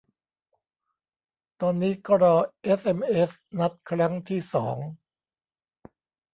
ตอนนี้ก็รอเอสเอ็มเอสนัดครั้งที่สอง